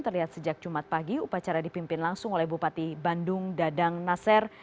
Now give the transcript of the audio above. terlihat sejak jumat pagi upacara dipimpin langsung oleh bupati bandung dadang naser